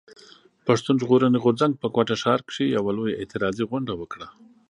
پښتون ژغورني غورځنګ په کوټه ښار کښي يوه لويه اعتراضي غونډه وکړه.